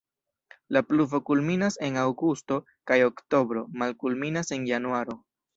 La pluvo kulminas en aŭgusto kaj oktobro, malkulminas en januaro.